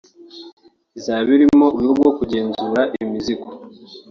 izaba irimo uburyo bwo kugenzura imizigo